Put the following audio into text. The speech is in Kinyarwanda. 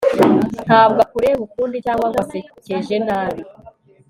ntabwo akureba ukundi cyangwa ngo asekeje nabi